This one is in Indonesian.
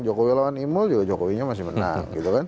jokowi lawan imul jokowi masih menang